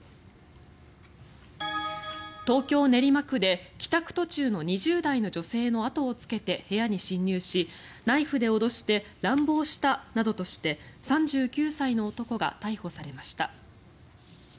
東京・練馬区で帰宅途中の２０代の女性の後をつけて部屋に侵入しナイフで脅して乱暴したなどとして３９歳の男が逮捕されました。